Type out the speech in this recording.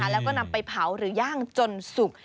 แล้วก็นำไปเผาหรือย่างจนสุก